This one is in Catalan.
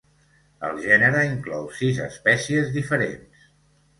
El gènere inclou sis espècies diferents.